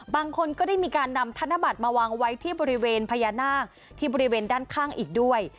บางคนก็ได้มีการนำธนบัตรมาวางไว้ที่บริเวณพญานาคที่บริเวณด้านข้างอีกด้วย